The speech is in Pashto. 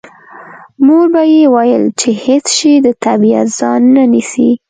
مور به یې ویل چې هېڅ شی د طبیعت ځای نه نیسي